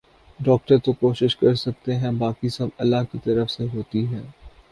doctor تو کوشش کر سکتے ہیں باقی سب اللہ کی طرف سے ھوتی ہے